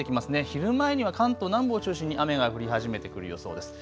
昼前には関東南部を中心に雨が降り始めてくる予想です。